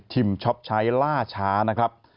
ช็อปใช้ล่าช้านะครับ